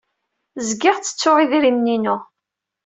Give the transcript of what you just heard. Zgiɣ ttettuɣ idrimen-inu.